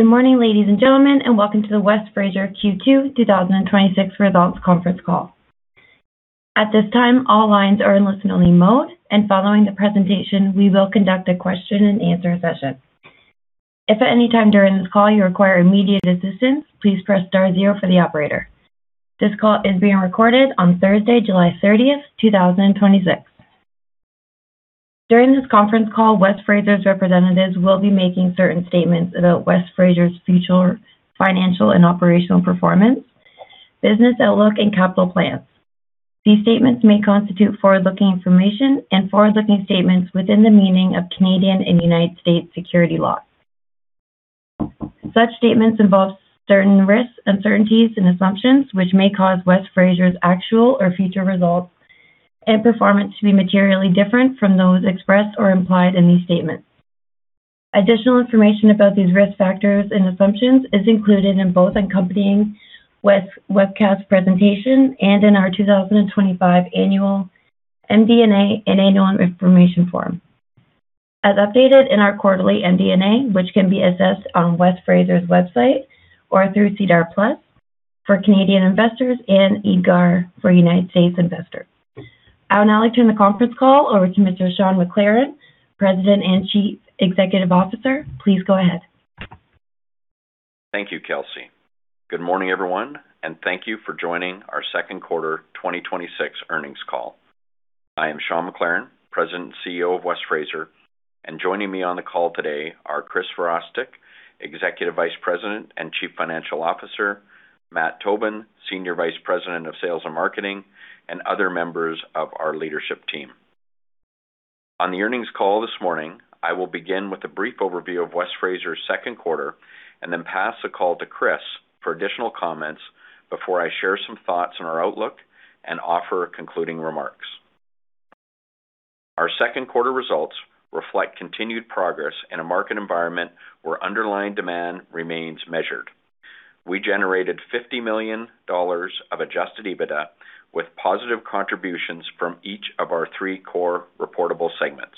Good morning, ladies and gentlemen, and welcome to the West Fraser Q2 2026 results conference call. At this time, all lines are in listen-only mode, and following the presentation, we will conduct a question and answer session. If at any time during this call you require immediate assistance, please press star zero for the operator. This call is being recorded on Thursday, July 30th, 2026. During this conference call, West Fraser's representatives will be making certain statements about West Fraser's future financial and operational performance, business outlook, and capital plans. These statements may constitute forward-looking information and forward-looking statements within the meaning of Canadian and U.S. security laws. Such statements involve certain risks, uncertainties, and assumptions which may cause West Fraser's actual or future results and performance to be materially different from those expressed or implied in these statements. Additional information about these risk factors and assumptions is included in both accompanying webcast presentation and in our 2025 annual MD&A and annual information form, as updated in our quarterly MD&A, which can be accessed on West Fraser's website or through SEDAR+ for Canadian investors and EDGAR for United States investors. I would now like to turn the conference call over to Sean McLaren, President and Chief Executive Officer. Please go ahead. Thank you, Kelsey. Good morning, everyone, and thank you for joining our second quarter 2026 earnings call. I am Sean McLaren, President and CEO of West Fraser, and joining me on the call today are Chris Virostek, Executive Vice-President and Chief Financial Officer, Matt Tobin, Senior Vice-President of Sales and Marketing, and other members of our leadership team. On the earnings call this morning, I will begin with a brief overview of West Fraser's second quarter and then pass the call to Chris for additional comments before I share some thoughts on our outlook and offer concluding remarks. Our second quarter results reflect continued progress in a market environment where underlying demand remains measured. We generated $50 million of adjusted EBITDA with positive contributions from each of our three core reportable segments.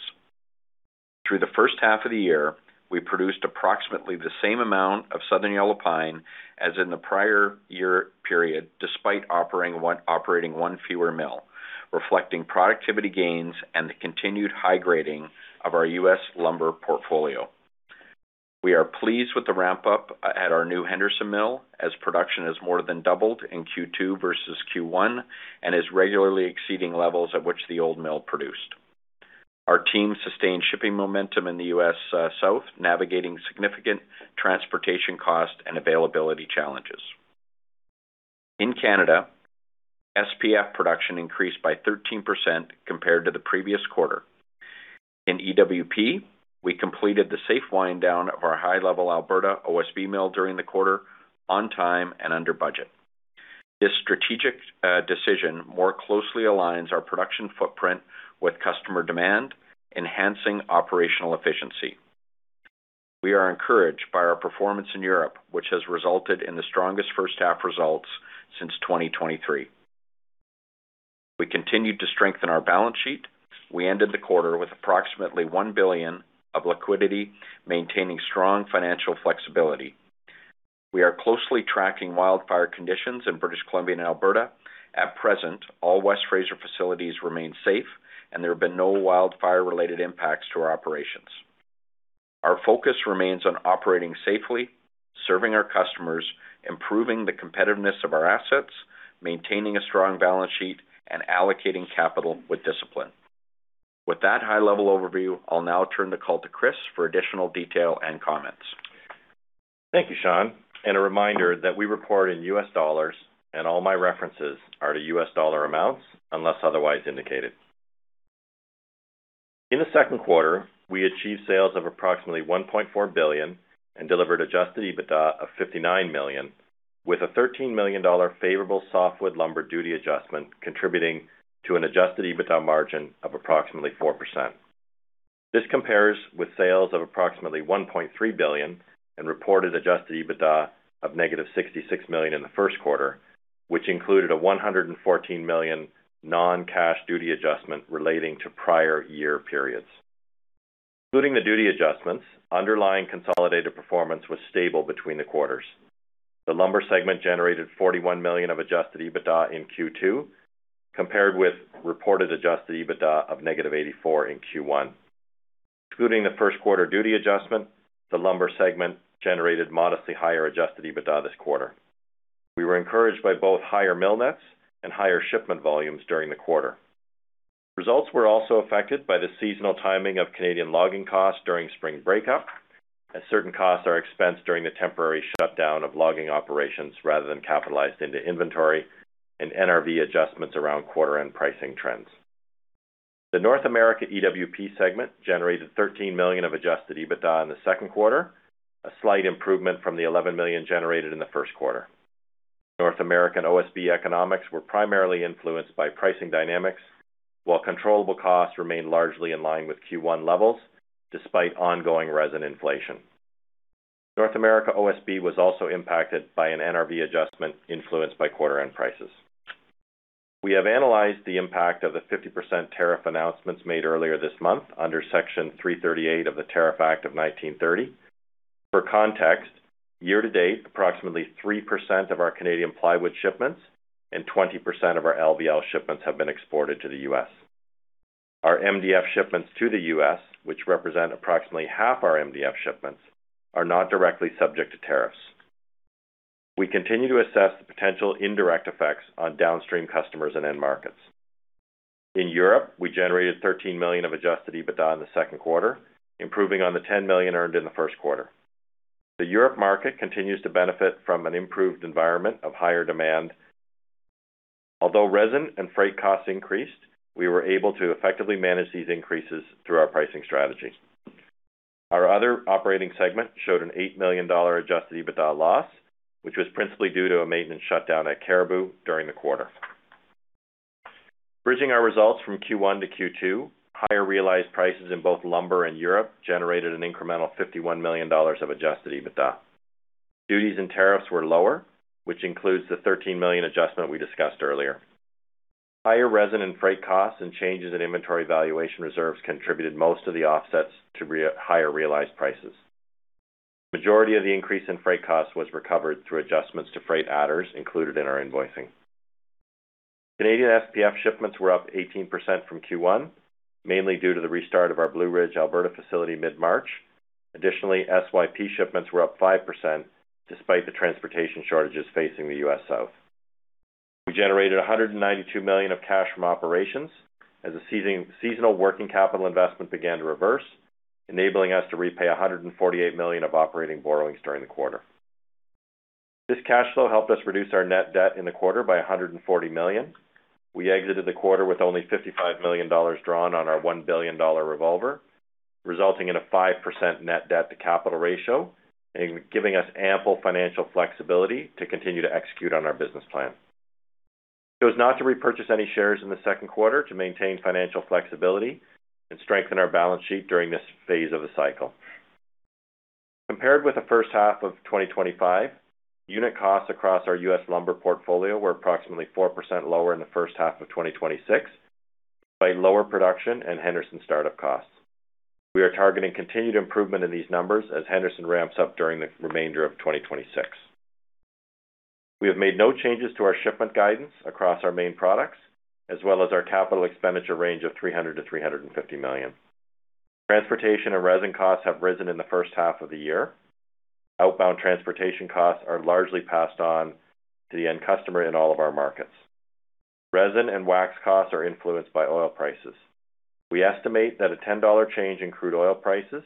Through the first half of the year, we produced approximately the same amount of southern yellow pine as in the prior year period, despite operating one fewer mill, reflecting productivity gains and the continued high grading of our U.S. lumber portfolio. We are pleased with the ramp-up at our new Henderson mill as production has more than doubled in Q2 versus Q1 and is regularly exceeding levels at which the old mill produced. Our team sustained shipping momentum in the U.S. South, navigating significant transportation cost and availability challenges. In Canada, SPF production increased by 13% compared to the previous quarter. In EWP, we completed the safe wind down of our High Level Alberta OSB mill during the quarter on time and under budget. This strategic decision more closely aligns our production footprint with customer demand, enhancing operational efficiency. We are encouraged by our performance in Europe, which has resulted in the strongest first half results since 2023. We continued to strengthen our balance sheet. We ended the quarter with approximately $1 billion of liquidity, maintaining strong financial flexibility. We are closely tracking wildfire conditions in British Columbia and Alberta. At present, all West Fraser facilities remain safe and there have been no wildfire-related impacts to our operations. Our focus remains on operating safely, serving our customers, improving the competitiveness of our assets, maintaining a strong balance sheet, and allocating capital with discipline. With that high-level overview, I'll now turn the call to Chris for additional detail and comments. Thank you, Sean. A reminder that we report in U.S. dollars and all my references are to U.S. dollar amounts unless otherwise indicated. In the second quarter, we achieved sales of approximately $1.4 billion and delivered adjusted EBITDA of $59 million with a $13 million favorable softwood lumber duty adjustment contributing to an adjusted EBITDA margin of approximately 4%. This compares with sales of approximately $1.3 billion and reported adjusted EBITDA of -$66 million in the first quarter, which included a $114 million non-cash duty adjustment relating to prior year periods. Excluding the duty adjustments, underlying consolidated performance was stable between the quarters. The lumber segment generated $41 million of adjusted EBITDA in Q2 compared with reported adjusted EBITDA of -$84 million in Q1. Excluding the first quarter duty adjustment, the lumber segment generated modestly higher adjusted EBITDA this quarter. We were encouraged by both higher mill nets and higher shipment volumes during the quarter. Results were also affected by the seasonal timing of Canadian logging costs during spring breakup, as certain costs are expensed during the temporary shutdown of logging operations rather than capitalized into inventory and NRV adjustments around quarter end pricing trends. The North America EWP segment generated $13 million of adjusted EBITDA in the second quarter, a slight improvement from the $11 million generated in the first quarter. North American OSB economics were primarily influenced by pricing dynamics, while controllable costs remained largely in line with Q1 levels despite ongoing resin inflation. North America OSB was also impacted by an NRV adjustment influenced by quarter end prices. We have analyzed the impact of the 50% tariff announcements made earlier this month under Section 338 of the Tariff Act of 1930. For context, year to date, approximately 3% of our Canadian plywood shipments and 20% of our LVL shipments have been exported to the U.S. Our MDF shipments to the U.S., which represent approximately half our MDF shipments, are not directly subject to tariffs. We continue to assess the potential indirect effects on downstream customers and end markets. In Europe, we generated $13 million of adjusted EBITDA in the second quarter, improving on the $10 million earned in the first quarter. The Europe market continues to benefit from an improved environment of higher demand. Although resin and freight costs increased, we were able to effectively manage these increases through our pricing strategy. Our other operating segment showed an $8 million adjusted EBITDA loss, which was principally due to a maintenance shutdown at Cariboo during the quarter. Bridging our results from Q1 to Q2, higher realized prices in both lumber and Europe generated an incremental $51 million of adjusted EBITDA. Duties and tariffs were lower, which includes the $13 million adjustment we discussed earlier. Higher resin and freight costs and changes in inventory valuation reserves contributed most of the offsets to higher realized prices. Majority of the increase in freight costs was recovered through adjustments to freight adders included in our invoicing. Canadian SPF shipments were up 18% from Q1, mainly due to the restart of our Blue Ridge, Alberta facility mid-March. Additionally, SYP shipments were up 5% despite the transportation shortages facing the U.S. South. We generated $192 million of cash from operations as the seasonal working capital investment began to reverse, enabling us to repay $148 million of operating borrowings during the quarter. This cash flow helped us reduce our net debt in the quarter by $140 million. We exited the quarter with only $55 million drawn on our $1 billion revolver, resulting in a 5% net debt-to-capital ratio and giving us ample financial flexibility to continue to execute on our business plan. We chose not to repurchase any shares in the second quarter to maintain financial flexibility and strengthen our balance sheet during this phase of the cycle. Compared with the first half of 2025, unit costs across our U.S. lumber portfolio were approximately 4% lower in the first half of 2026 by lower production and Henderson startup costs. We are targeting continued improvement in these numbers as Henderson ramps up during the remainder of 2026. We have made no changes to our shipment guidance across our main products, as well as our capital expenditure range of $300 million-$350 million. Transportation and resin costs have risen in the first half of the year. Outbound transportation costs are largely passed on to the end customer in all of our markets. Resin and wax costs are influenced by oil prices. We estimate that a $10 change in crude oil prices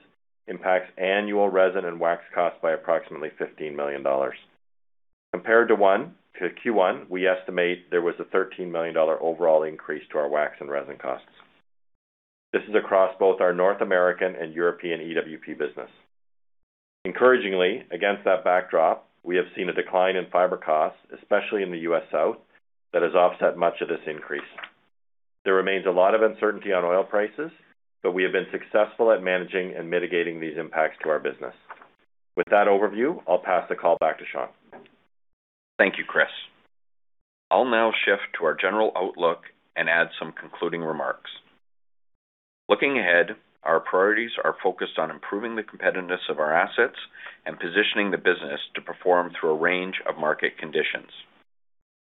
impacts annual resin and wax costs by approximately $15 million. Compared to Q1, we estimate there was a $13 million overall increase to our wax and resin costs. This is across both our North American and European EWP business. Encouragingly, against that backdrop, we have seen a decline in fiber costs, especially in the U.S. South, that has offset much of this increase. There remains a lot of uncertainty on oil prices, but we have been successful at managing and mitigating these impacts to our business. With that overview, I'll pass the call back to Sean. Thank you, Chris. I'll now shift to our general outlook and add some concluding remarks. Looking ahead, our priorities are focused on improving the competitiveness of our assets and positioning the business to perform through a range of market conditions.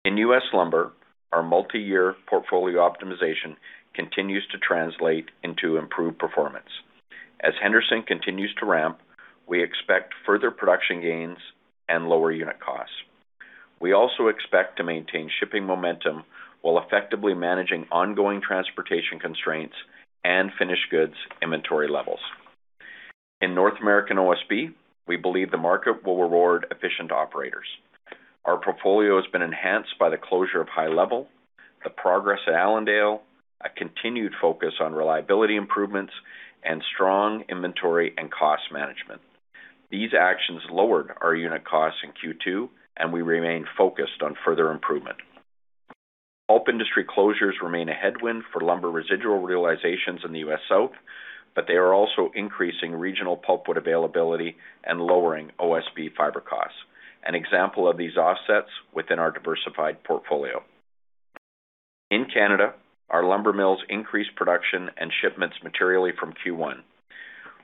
In U.S. lumber, our multi-year portfolio optimization continues to translate into improved performance. As Henderson continues to ramp, we expect further production gains and lower unit costs. We also expect to maintain shipping momentum while effectively managing ongoing transportation constraints and finished goods inventory levels. In North American OSB, we believe the market will reward efficient operators. Our portfolio has been enhanced by the closure of High Level, the progress at Allendale, a continued focus on reliability improvements, and strong inventory and cost management. These actions lowered our unit costs in Q2, and we remain focused on further improvement. Pulp industry closures remain a headwind for lumber residual realizations in the U.S. South, but they are also increasing regional pulpwood availability and lowering OSB fiber costs, an example of these offsets within our diversified portfolio. In Canada, our lumber mills increased production and shipments materially from Q1.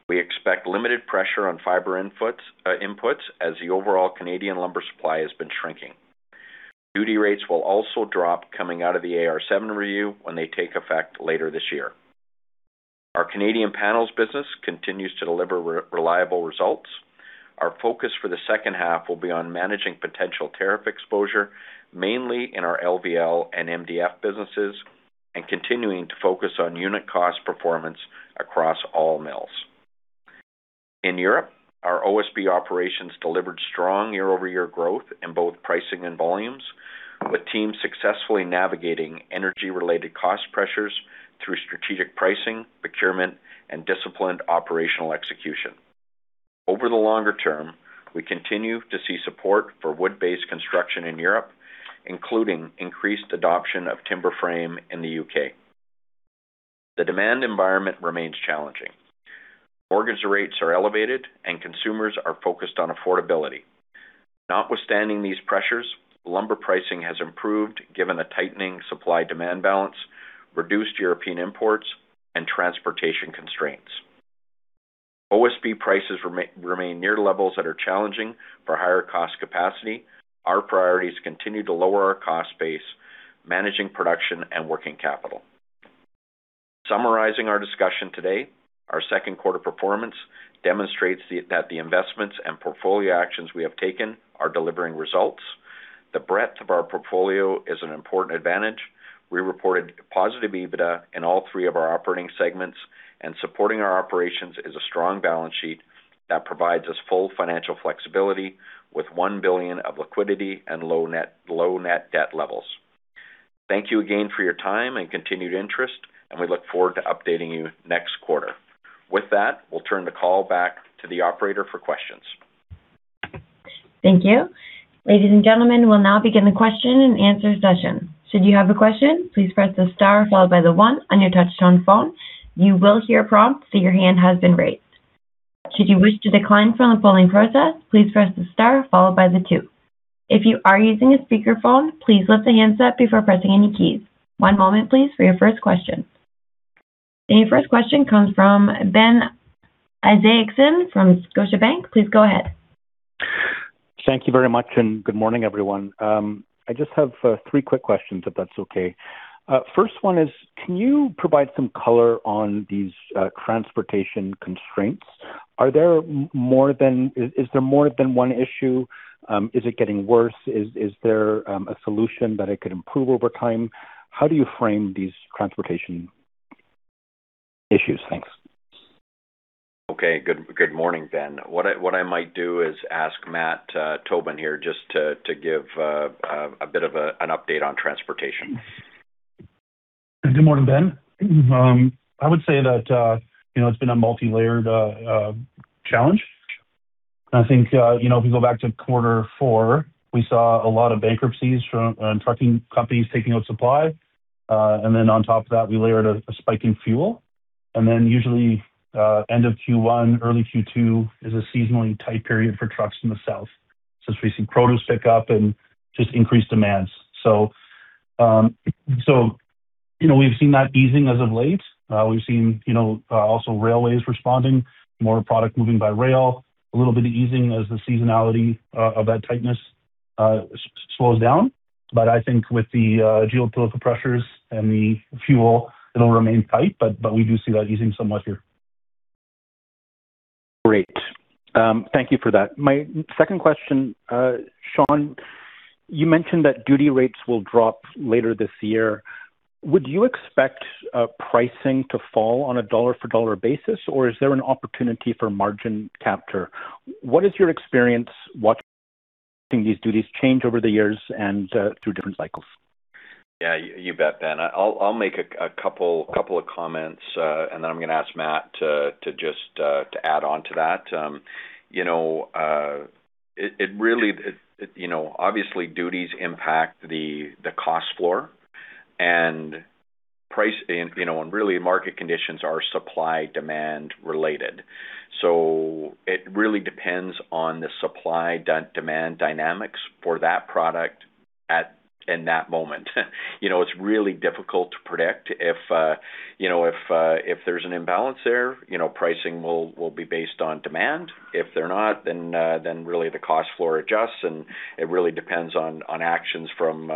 We expect limited pressure on fiber inputs as the overall Canadian lumber supply has been shrinking. Duty rates will also drop coming out of the AR7 review when they take effect later this year. Our Canadian panels business continues to deliver reliable results. Our focus for the second half will be on managing potential tariff exposure, mainly in our LVL and MDF businesses, and continuing to focus on unit cost performance across all mills. In Europe, our OSB operations delivered strong year-over-year growth in both pricing and volumes, with teams successfully navigating energy-related cost pressures through strategic pricing, procurement, and disciplined operational execution. Over the longer term, we continue to see support for wood-based construction in Europe, including increased adoption of timber frame in the U.K. The demand environment remains challenging. Mortgage rates are elevated and consumers are focused on affordability. Notwithstanding these pressures, lumber pricing has improved given the tightening supply-demand balance, reduced European imports, and transportation constraints. OSB prices remain near levels that are challenging for higher cost capacity. Our priorities continue to lower our cost base, managing production and working capital. Summarizing our discussion today, our second quarter performance demonstrates that the investments and portfolio actions we have taken are delivering results. The breadth of our portfolio is an important advantage. We reported positive EBITDA in all three of our operating segments. Supporting our operations is a strong balance sheet that provides us full financial flexibility with $1 billion of liquidity and low net debt levels. Thank you again for your time and continued interest. We look forward to updating you next quarter. With that, we'll turn the call back to the operator for questions. Thank you. Ladies and gentlemen, we'll now begin the question and answer session. Should you have a question, please press the star followed by the one on your touch-tone phone. You will hear a prompt that your hand has been raised. Should you wish to decline from the polling process, please press the star followed by the two. If you are using a speakerphone, please lift the handset before pressing any keys. One moment, please, for your first question. Your first question comes from Ben Isaacson from Scotiabank. Please go ahead. Thank you very much, and good morning, everyone. I just have three quick questions if that's okay. First one is, can you provide some color on these transportation constraints? Is there more than one issue? Is it getting worse? Is there a solution that it could improve over time? How do you frame these transportation issues? Thanks. Okay, good morning, Ben. What I might do is ask Matt Tobin here just to give a bit of an update on transportation. Good morning, Ben. I would say that it's been a multilayered challenge. I think if we go back to Q4, we saw a lot of bankruptcies from trucking companies taking out supply. On top of that, we layered a spike in fuel. Usually end of Q1, early Q2 is a seasonally tight period for trucks in the south since we see produce pick up and just increased demands. We've seen that easing as of late. We've seen also railways responding, more product moving by rail, a little bit of easing as the seasonality of that tightness slows down. I think with the geopolitical pressures and the fuel, it'll remain tight, but we do see that easing somewhat here. Great. Thank you for that. My second question, Sean, you mentioned that duty rates will drop later this year. Would you expect pricing to fall on a dollar-for-dollar basis or is there an opportunity for margin capture? What is your experience watching these duties change over the years and through different cycles? You bet, Ben. I'll make a couple of comments, and then I'm going to ask Matt to add on to that. Obviously, duties impact the cost floor and really market conditions are supply-demand related. It really depends on the supply-demand dynamics for that product in that moment. It's really difficult to predict. If there's an imbalance there, pricing will be based on demand. If they're not, then really the cost floor adjusts, and it really depends on actions from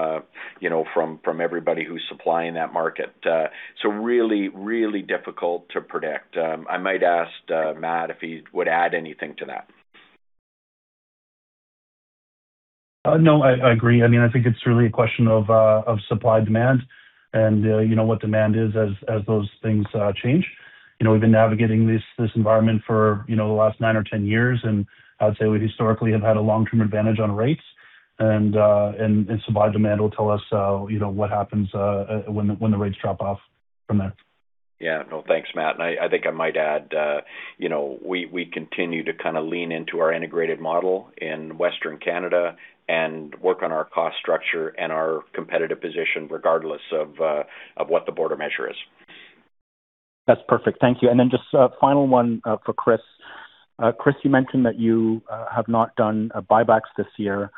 everybody who's supplying that market. Really, really difficult to predict. I might ask Matt if he would add anything to that. I agree. I think it's really a question of supply, demand, and what demand is as those things change. We've been navigating this environment for the last nine or 10 years, I would say we historically have had a long-term advantage on rates, supply-demand will tell us what happens when the rates drop off from there. Well, thanks, Matt. I think I might add we continue to kind of lean into our integrated model in Western Canada and work on our cost structure and our competitive position regardless of what the border measure is. That's perfect. Thank you. Just a final one for Chris. Chris, you mentioned that you have not done buybacks this year.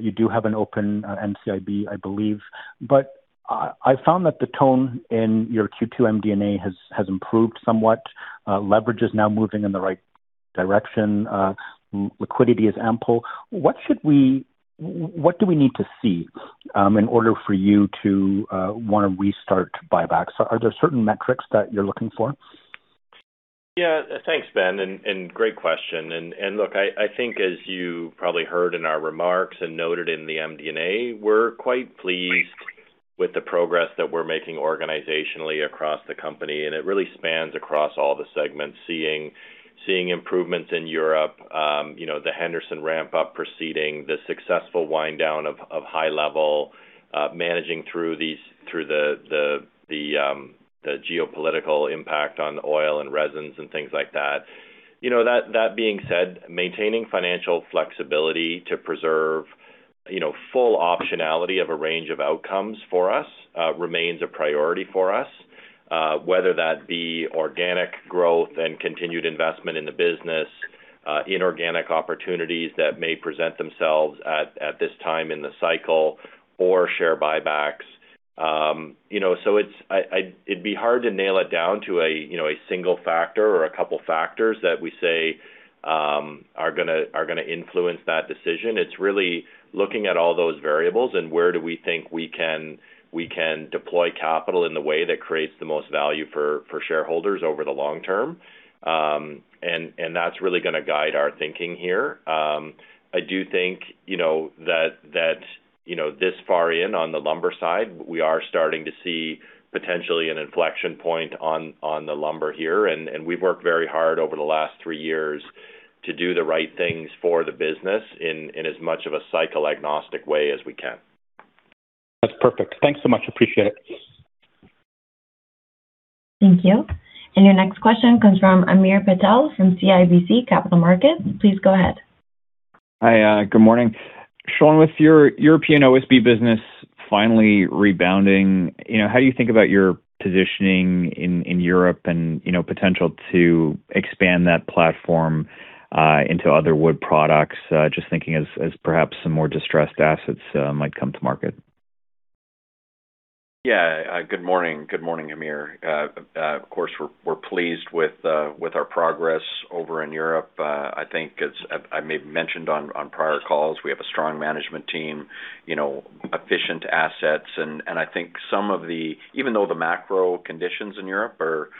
You do have an open NCIB, I believe. I found that the tone in your 2Q MD&A has improved somewhat. Leverage is now moving in the right direction. Liquidity is ample. What do we need to see in order for you to want to restart buybacks? Are there certain metrics that you're looking for? Thanks, Ben, and great question. Look, I think as you probably heard in our remarks and noted in the MD&A, we're quite pleased with the progress that we're making organizationally across the company, and it really spans across all the segments, seeing improvements in Europe, the Henderson ramp-up proceeding, the successful wind-down of High Level, managing through the geopolitical impact on oil and resins and things like that. That being said, maintaining financial flexibility to preserve full optionality of a range of outcomes for us remains a priority for us, whether that be organic growth and continued investment in the business, inorganic opportunities that may present themselves at this time in the cycle, or share buybacks. It'd be hard to nail it down to a single factor or a couple factors that we say are going to influence that decision. It's really looking at all those variables and where do we think we can deploy capital in the way that creates the most value for shareholders over the long term. That's really going to guide our thinking here. I do think that this far in, on the lumber side, we are starting to see potentially an inflection point on the lumber here. We've worked very hard over the last three years to do the right things for the business in as much of a cycle-agnostic way as we can. That's perfect. Thanks so much. Appreciate it. Thank you. Your next question comes from Hamir Patel from CIBC Capital Markets. Please go ahead. Hi, good morning. Sean, with your European OSB business finally rebounding, how do you think about your positioning in Europe and potential to expand that platform into other wood products? Just thinking as perhaps some more distressed assets might come to market. Yeah. Good morning, Hamir. Of course, we're pleased with our progress over in Europe. I think as I maybe mentioned on prior calls, we have a strong management team, efficient assets, and I think even though the macro conditions in Europe are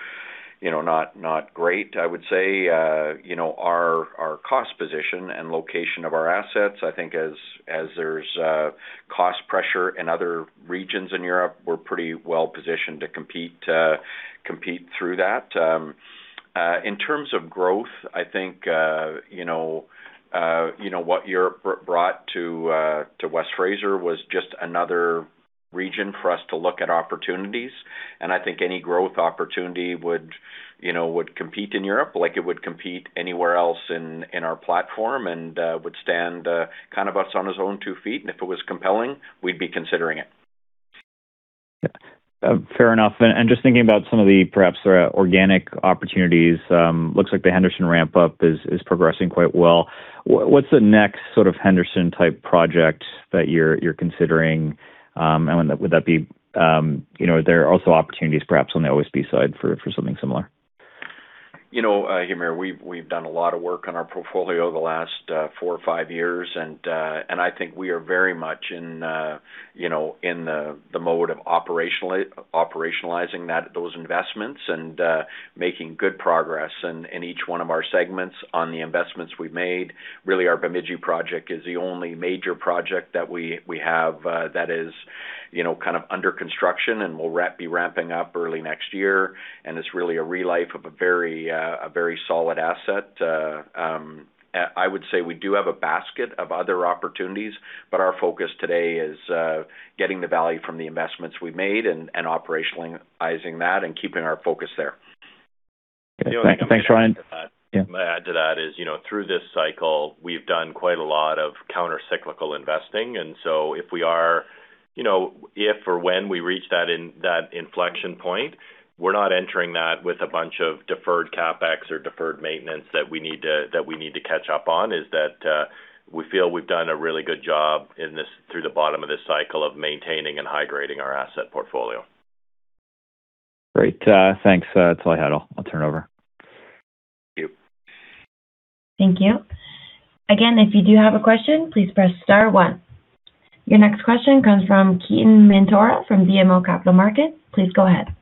not great, I would say, our cost position and location of our assets, I think as there's cost pressure in other regions in Europe, we're pretty well positioned to compete through that. In terms of growth, I think what Europe brought to West Fraser was just another region for us to look at opportunities, and I think any growth opportunity would compete in Europe like it would compete anywhere else in our platform and would stand kind of on its own two feet, and if it was compelling, we'd be considering it. Yeah. Fair enough. Just thinking about some of the perhaps organic opportunities, looks like the Henderson ramp-up is progressing quite well. What's the next sort of Henderson-type project that you're considering, and are there also opportunities perhaps on the OSB side for something similar? Hamir, we've done a lot of work on our portfolio the last four or five years. I think we are very much in the mode of operationalizing those investments and making good progress in each one of our segments on the investments we've made. Really, our Bemidji project is the only major project that we have that is kind of under construction and will be ramping up early next year. It's really a re-life of a very solid asset. I would say we do have a basket of other opportunities, our focus today is getting the value from the investments we've made and operationalizing that and keeping our focus there. Okay, thanks, Sean. May I add to that, through this cycle, we've done quite a lot of counter-cyclical investing. If or when we reach that inflection point, we're not entering that with a bunch of deferred CapEx or deferred maintenance that we need to catch up on. We feel we've done a really good job through the bottom of this cycle of maintaining and hydrating our asset portfolio. Great. Thanks. That's all I had. I'll turn over. Thank you. Thank you. Again, if you do have a question, please press star one. Your next question comes from Ketan Mamtora from BMO Capital Markets. Please go ahead.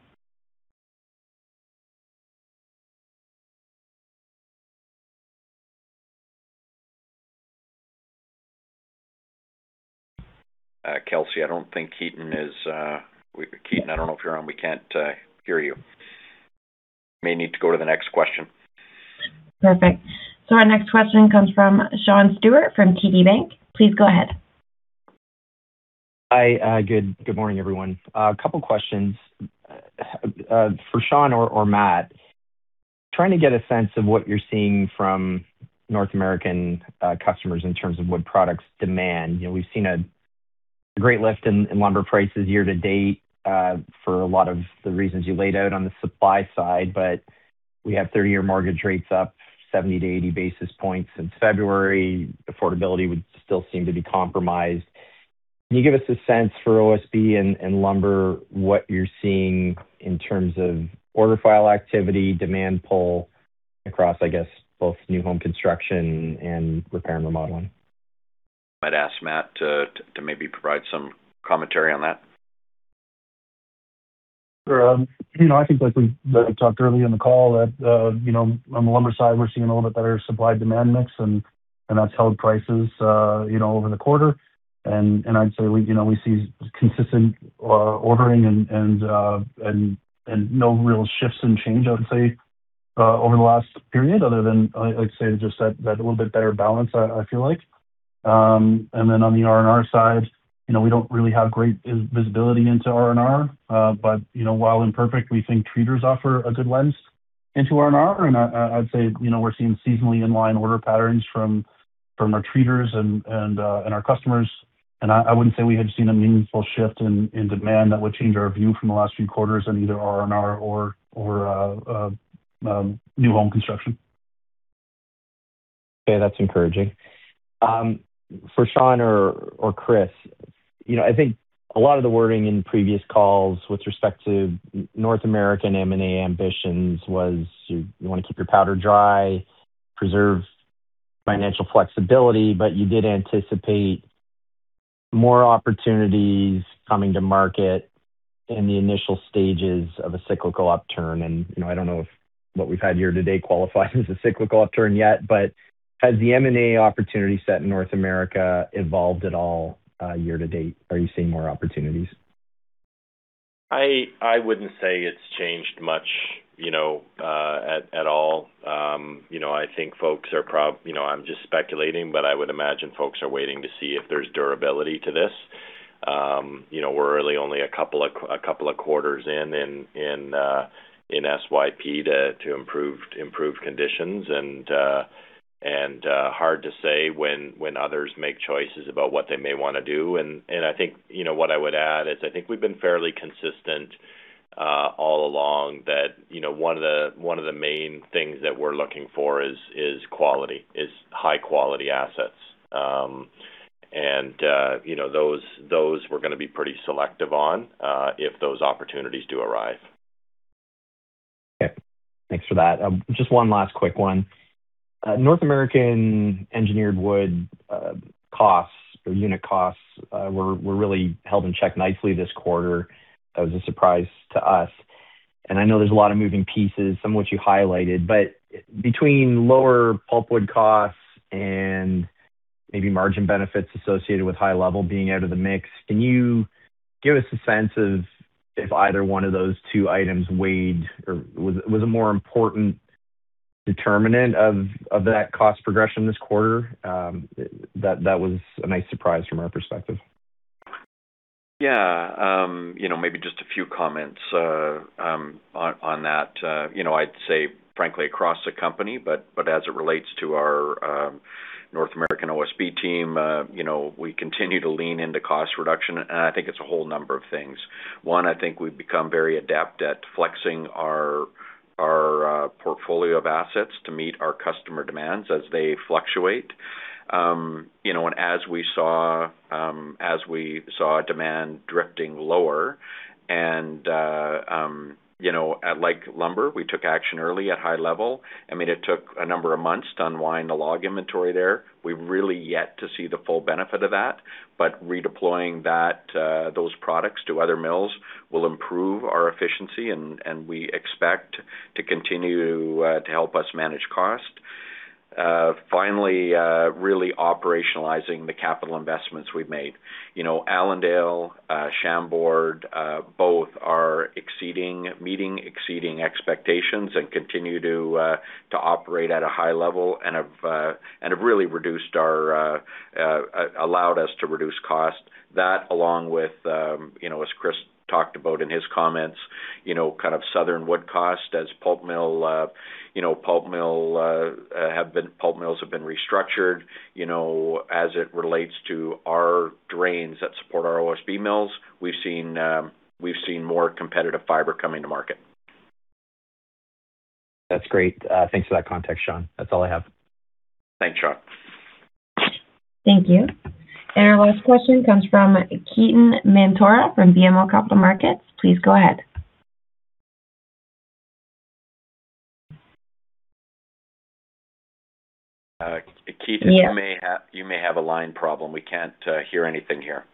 Kelsey, I don't think Ketan is—Ketan I don't know if you're on. We can't hear you. May need to go to the next question. Perfect. Our next question comes from Sean Steuart from TD Bank. Please go ahead. Hi, good morning, everyone. A couple questions. For Sean or Matt, trying to get a sense of what you're seeing from North American customers in terms of wood products demand. We've seen a great lift in lumber prices year to date for a lot of the reasons you laid out on the supply side, but we have 30-year mortgage rates up 70-80 basis points since February. Affordability would still seem to be compromised. Can you give us a sense for OSB and lumber, what you're seeing in terms of order file activity, demand pull across, I guess, both new home construction and repair and remodeling? I'd ask Matt to maybe provide some commentary on that. Sure. I think like we talked earlier in the call that on the lumber side, we're seeing a little bit better supply-demand mix, and that's held prices over the quarter. I'd say we see consistent ordering and no real shifts in change, I would say, over the last period other than, like you said, just that little bit better balance, I feel like. On the R&R side, we don't really have great visibility into R&R. While imperfect, we think treaters offer a good lens into R&R, I'd say, we're seeing seasonally in line order patterns from our treaters and our customers. I wouldn't say we have seen a meaningful shift in demand that would change our view from the last few quarters on either R&R or new home construction. Okay, that's encouraging. For Sean or Chris, I think a lot of the wording in previous calls with respect to North American M&A ambitions was you want to keep your powder dry, preserve financial flexibility, you did anticipate more opportunities coming to market in the initial stages of a cyclical upturn. I don't know if what we've had year to date qualifies as a cyclical upturn yet, has the M&A opportunity set in North America evolved at all year to date? Are you seeing more opportunities? I wouldn't say it's changed much at all. I'm just speculating, but I would imagine folks are waiting to see if there's durability to this. We're really only a couple of quarters in SYP to improved conditions, hard to say when others make choices about what they may want to do. I think what I would add is, I think we've been fairly consistent all along that one of the main things that we're looking for is high-quality assets. Those we're going to be pretty selective on if those opportunities do arrive. Okay, thanks for that. Just one last quick one. North American engineered wood unit costs were really held in check nicely this quarter. That was a surprise to us, I know there's a lot of moving pieces, some of which you highlighted, between lower pulpwood costs and maybe margin benefits associated with High Level being out of the mix, can you give us a sense of if either one of those two items weighed or was a more important determinant of that cost progression this quarter? That was a nice surprise from our perspective. Yeah. Maybe just a few comments on that. I'd say, frankly, across the company, as it relates to our North American OSB team, we continue to lean into cost reduction, I think it's a whole number of things. One, I think we've become very adept at flexing our portfolio of assets to meet our customer demands as they fluctuate. As we saw demand drifting lower and at lumber, we took action early at High Level. It took a number of months to unwind the log inventory there. We've really yet to see the full benefit of that, redeploying those products to other mills will improve our efficiency, we expect to continue to help us manage cost. Finally, really operationalizing the capital investments we've made. Allendale, Chambord, both are meeting, exceeding expectations, continue to operate at a high level have allowed us to reduce cost. That, along with as Chris talked about in his comments, kind of southern wood cost as pulp mills have been restructured, as it relates to our drains that support our OSB mills, we've seen more competitive fiber coming to market. That's great. Thanks for that context, Sean. That's all I have. Thanks, Sean. Thank you. Our last question comes from Ketan Mamtora from BMO Capital Markets. Please go ahead. Ketan, you may have a line problem. We can't hear anything here.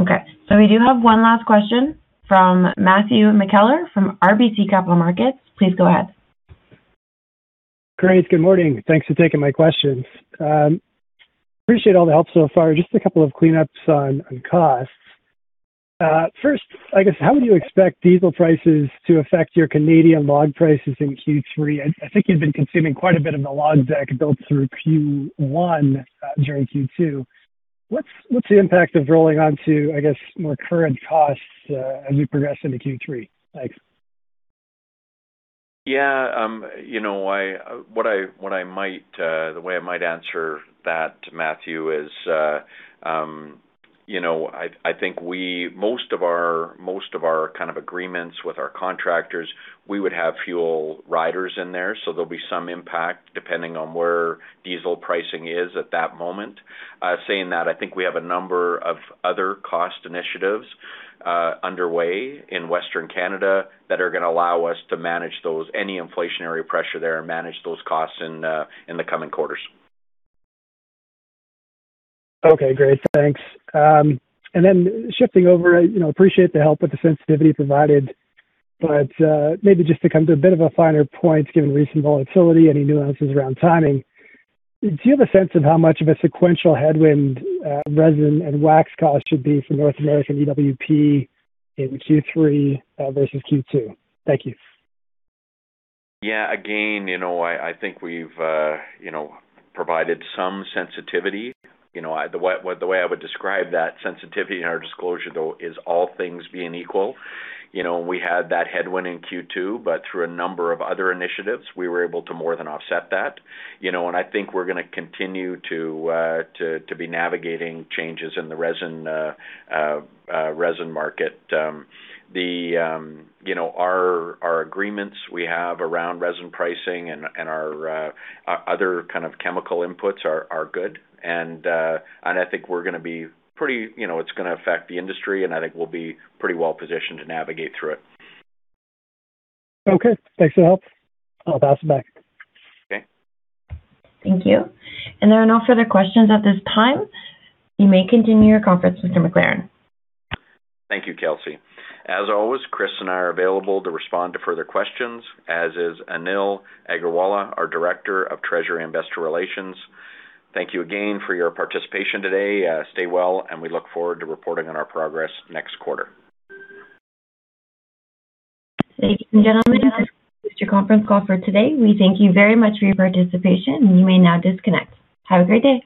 Okay. We do have one last question from Matthew McKellar from RBC Capital Markets. Please go ahead. Great. Good morning. Thanks for taking my questions. Appreciate all the help so far. Just a couple of cleanups on costs. First, I guess, how would you expect diesel prices to affect your Canadian log prices in Q3? I think you've been consuming quite a bit of the log deck built through Q1, during Q2. What's the impact of rolling on to, I guess, more current costs, as we progress into Q3? Thanks. Yeah. The way I might answer that, Matthew, is I think most of our kind of agreements with our contractors, we would have fuel riders in there, so there'll be some impact depending on where diesel pricing is at that moment. Saying that, I think we have a number of other cost initiatives underway in Western Canada that are going to allow us to manage any inflationary pressure there and manage those costs in the coming quarters. Okay, great. Thanks. Shifting over, appreciate the help with the sensitivity provided, maybe just to come to a bit of a finer point, given recent volatility, any nuances around timing. Do you have a sense of how much of a sequential headwind, resin and wax cost should be for North American EWP in Q3 versus Q2? Thank you. Again, I think we've provided some sensitivity. The way I would describe that sensitivity in our disclosure, though, is all things being equal. We had that headwind in Q2. Through a number of other initiatives, we were able to more than offset that. I think we're going to continue to be navigating changes in the resin market. Our agreements we have around resin pricing and our other kind of chemical inputs are good. I think it's going to affect the industry, and I think we'll be pretty well positioned to navigate through it. Thanks for the help. I'll pass it back. Okay. Thank you. There are no further questions at this time. You may continue your conference, Mr. McLaren. Thank you, Kelsey. As always, Chris and I are available to respond to further questions, as is Anil Aggarwala, our Director of Treasury and Investor Relations. Thank you again for your participation today. Stay well. We look forward to reporting on our progress next quarter. Ladies and gentlemen, this concludes your conference call for today. We thank you very much for your participation, and you may now disconnect. Have a great day.